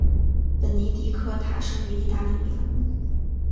本尼迪克塔生于意大利米兰。